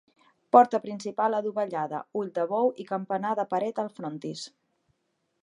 Porta principal adovellada, ull de bou i campanar de paret al frontis.